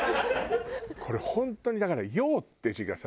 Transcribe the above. これ本当にだから「陽」って字がさ。